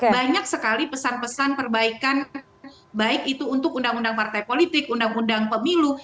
banyak sekali pesan pesan perbaikan baik itu untuk undang undang partai politik undang undang pemilu